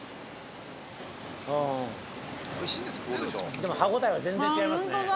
でも、歯応えは全然違いますね。